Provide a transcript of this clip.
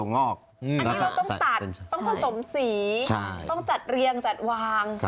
อันนี้เราต้องตัดต้องผสมสีต้องจัดเรียงจัดวาง